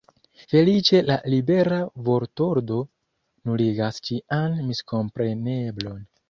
Feliĉe la libera vortordo nuligas ĉian miskompreneblon.